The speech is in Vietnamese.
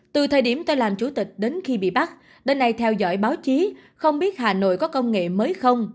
từ thời điểm tôi làm chủ tịch đến khi bị bắt đến nay theo dõi báo chí không biết hà nội có công nghệ mới không